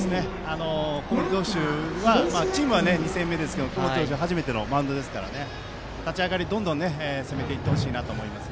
小森投手はチームは２試合目ですが初めてのマウンドですから立ち上がりどんどん攻めていってほしいと思います。